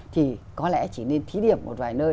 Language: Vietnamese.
thì có lẽ chỉ nên thí điểm một vài nơi